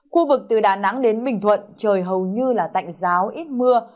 khu vực từ đà nẵng đến bình thuận trời hầu như là tạnh giáo ít mưa